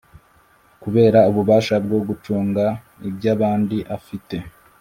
Kubera ububasha bwo gucunga iby abandi afite